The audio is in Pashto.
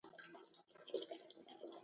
معلومه نه سوه.